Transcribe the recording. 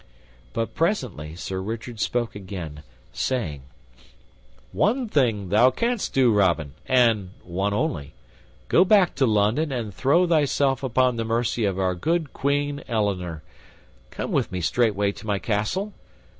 But presently Sir Richard spoke again, saying, "One thing thou canst do, Robin, and one only. Go back to London and throw thyself upon the mercy of our good Queen Eleanor. Come with me straightway to my castle.